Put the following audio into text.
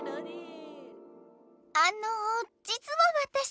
あのじつはわたし。